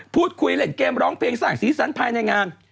พูดคุยเล่นเกมร้องเพลงสร้างสีสันภายในงาน